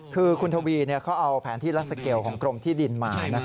คือคุณทวีเขาเอาแผนที่ลัสเกลของกรมที่ดินมา